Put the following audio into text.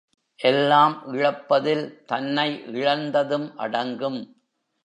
எல்லாம் இழப்பதில் தன்னை இழந்ததும் அடங்கும்.